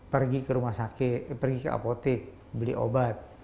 pergi ke rumah sakit pergi ke apotek beli obat